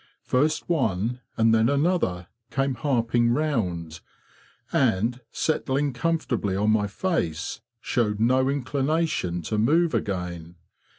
First one and then another came harping round, and, settling comfortably on my face, showed no inclination to move again.